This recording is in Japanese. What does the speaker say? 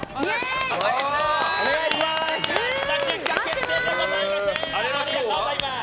お願いします！